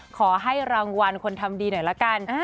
ขอให้รางวัลคนทำดีหน่อยละกัน